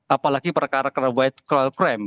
apalagi perkara kerabat kuda